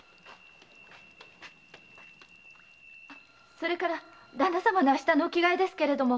それから旦那様の明日のお着替えですけれども。